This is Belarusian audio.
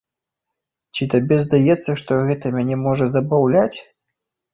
Ці табе здаецца, што гэта мяне можа забаўляць?